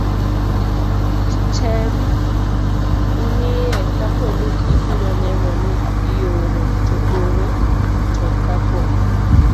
tem ng'iye kapo ni ibiro neno ni iore, to ore to kapo